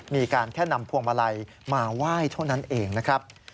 มีการแค่นำพวงมาลัยมาไหว้เท่านั้นเองนะครับ